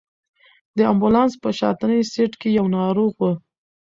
د امبولانس په شاتني سېټ کې یو ناروغ و.